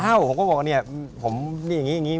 แล้วผมก็บอกเนี่ยผมอย่างนี้อย่างนี้